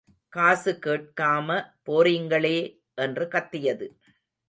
காசு கேட்காம போறீங்களே என்று கத்தியது.